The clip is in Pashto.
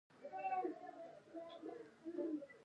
څو شیبې غواړي